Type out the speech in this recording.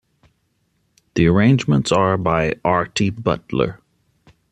The arrangements are by Artie Butler.